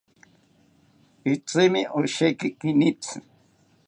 Itzimi osheki kinitzi